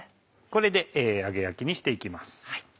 これで揚げ焼きにして行きます。